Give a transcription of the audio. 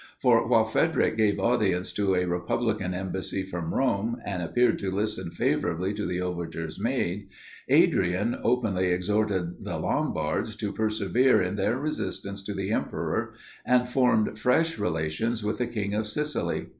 For while Frederic gave audience to a republican embassy from Rome, and appeared to listen favourably to the overtures made; Adrian openly exhorted the Lombards to persevere in their resistance to the emperor, and formed fresh relations with the king of Sicily.